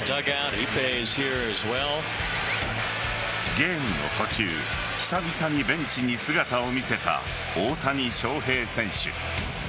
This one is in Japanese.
ゲームの途中久々にベンチに姿を見せた大谷翔平選手。